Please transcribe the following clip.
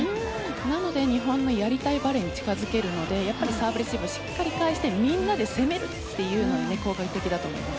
なので、日本のやりたいバレーに近づけるのでサーブレシーブをしっかり返してみんなで攻めるというのが効果的だと思います。